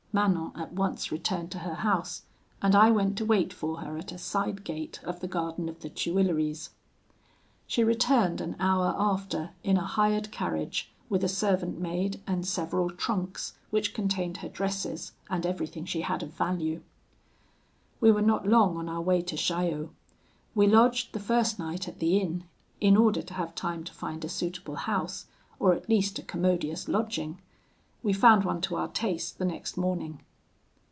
Manon at once returned to her house, and I went to wait for her at a side gate of the garden of the Tuileries. "She returned an hour after, in a hired carriage, with a servant maid, and several trunks, which contained her dresses, and everything she had of value. "We were not long on our way to Chaillot. We lodged the first night at the inn, in order to have time to find a suitable house, or at least a commodious lodging. We found one to our taste the next morning.